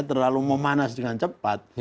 terlalu memanas dengan cepat